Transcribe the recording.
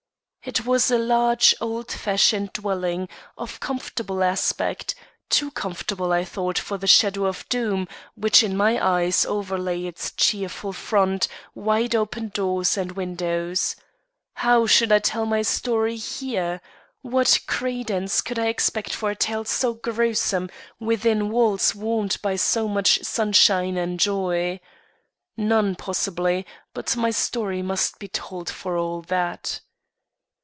It was a large, old fashioned dwelling, of comfortable aspect; too comfortable, I thought, for the shadow of doom, which, in my eyes, overlay its cheerful front, wide open doors and windows. How should I tell my story here! What credence could I expect for a tale so gruesome, within walls warmed by so much sunshine and joy. None, possibly; but my story must be told for all that.